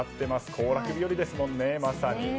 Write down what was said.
行楽日和ですもんね、まさに。